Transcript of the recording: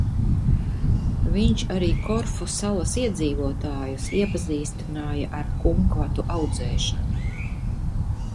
Viņš arī Korfu salas iedzīvotājus iepazīstināja ar kumkvatu audzēšanu.